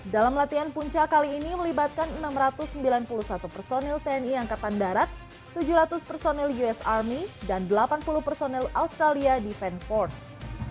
dalam latihan punca kali ini melibatkan enam ratus sembilan puluh satu personil tni angkatan darat tujuh ratus personil us army dan delapan puluh personel australia defense force